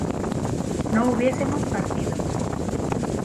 no hubiésemos partido